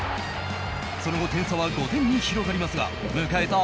その後、点差は５点に広がりますが迎えた